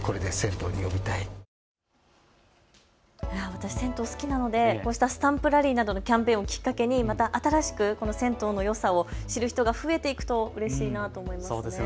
私は銭湯が好きなのでスタンプラリーなどのキャンペーンをきっかけに新しく銭湯のよさを知る人が増えていくとうれしいなと思います。